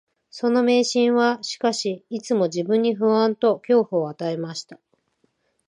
その迷信は、しかし、いつも自分に不安と恐怖を与えました